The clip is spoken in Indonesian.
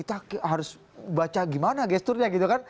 gestur yang kita harus baca gimana gesturnya gitu kan